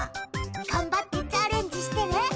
頑張ってチャレンジしてね！